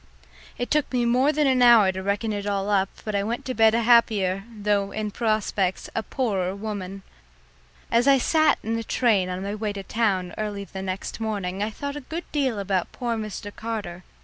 It took me more than an hour to reckon it all up, but I went to bed a happier, though in prospects a poorer woman. As I sat in the train on my way to town early the next morning I thought a good deal about poor Mr. Carter.